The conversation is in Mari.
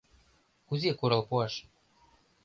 — Кузе курал пуаш?